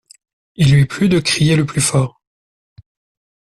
Il lui plut de crier le plus fort.